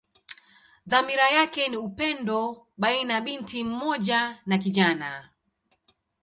Dhamira yake ni upendo baina binti mmoja na kijana.